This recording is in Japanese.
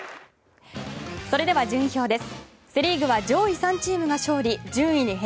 それでは順位表です。